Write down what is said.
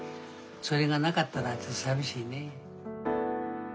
それがなかったらちょっと寂しいね。